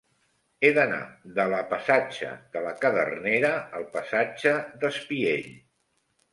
He d'anar de la passatge de la Cadernera al passatge d'Espiell.